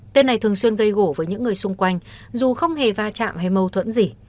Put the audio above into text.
tên này thường xuyên gây gổ với những người xung quanh dù không hề va chạm hay mâu thuẫn gì